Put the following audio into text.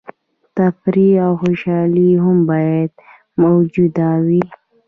تفریح او خوشحالي هم باید موجوده وي.